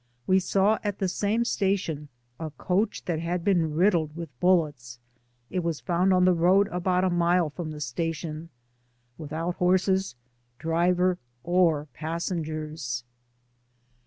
We saw at the same station a coach that had been riddled with bullets; it was found on the road about a mile from the station, without horses, driver or passengers.